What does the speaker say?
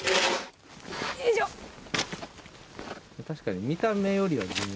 確かに見た目よりは。